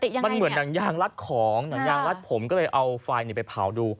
ถ้าเป็นพลาสติกนะครับผมถ้าเป็นยางเนี้ย